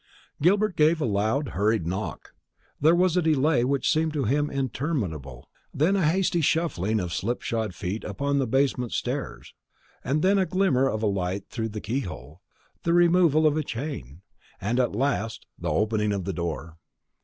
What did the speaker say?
Gilbert gave a loud hurried knock. There was a delay which seemed to him interminable, then a hasty shuffling of slipshod feet upon the basement stairs, then the glimmer of a light through the keyhole, the removal of a chain, and at last the opening of the door.